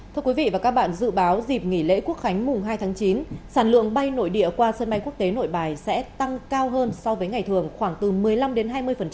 thưa quý vị và các bạn dự báo dịp nghỉ lễ quốc khánh mùng hai tháng chín sản lượng bay nội địa qua sân bay quốc tế nội bài sẽ tăng cao hơn so với ngày thường khoảng từ một mươi năm đến hai mươi